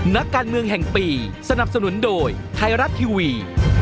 นักการเมืองแห่งปีสนับสนุนโดยไทยรัฐทีวี